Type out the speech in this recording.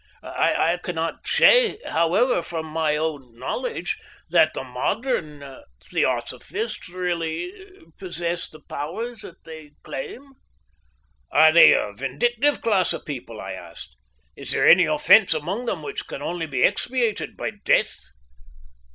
I cannot say, however, from my own knowledge that the modern theosophists really possess the powers that they claim." "Are they a vindictive class of people?" I asked. "Is there any offence among them which can only be expiated by death?"